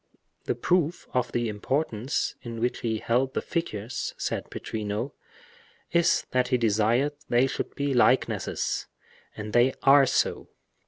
"The proof of the importance in which he held the figures," said Pittrino, "is that he desired they should be likenesses, and they are so."